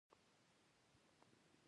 د پښتنو په باب تحقیقات کړي.